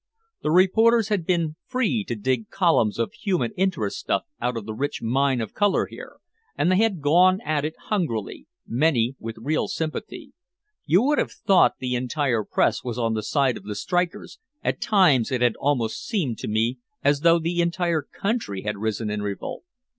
The reporters had been free to dig columns of "human interest stuff" out of the rich mine of color here, and they had gone at it hungrily, many with real sympathy. You would have thought the entire press was on the side of the strikers, at times it had almost seemed to me as though the entire country had risen in revolt.